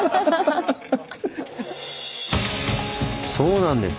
そうなんです。